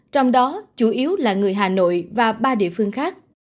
trong đó chủ yếu là người hà nội và ba địa phương khác